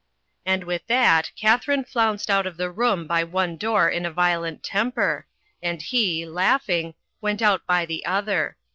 And with that, Katharine flounced out of the room by one door in a violent temper, and he, laughing, went out by the other.